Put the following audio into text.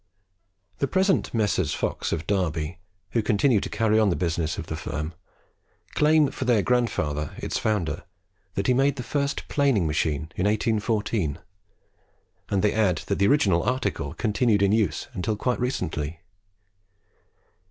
The present Messrs. Fox of Derby, who continue to carry on the business of the firm, claim for their grandfather, its founder, that he made the first planing machine in 1814, and they add that the original article continued in use until quite recently.